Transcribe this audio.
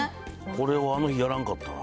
これはあの日やらんかったな。